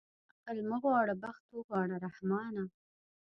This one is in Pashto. عقل مه غواړه بخت اوغواړه رحمانه.